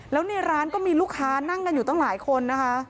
แล้วในร้านก็มีลูกค้านั่งกันอยู่ตั้งหลายคนนะคะ